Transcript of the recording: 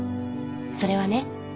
それはね